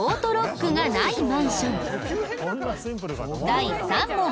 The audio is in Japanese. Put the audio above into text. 第３問。